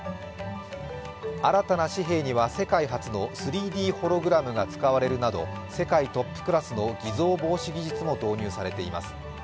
新たな紙幣には世界初の３Ｄホログラムが使われるなど、世界トップクラスの偽造防止技術も導入されています。